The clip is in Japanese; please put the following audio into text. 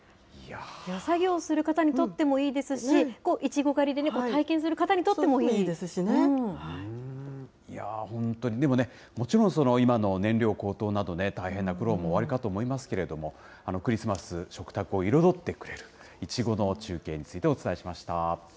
作業する方にとってもいいですし、イチゴ狩りでね、体験する本当に、でももちろん、今の燃料高騰など、大変な苦労もおありかと思いますけれども、クリスマス、食卓を彩ってくれるイチゴの中継について、お伝えしました。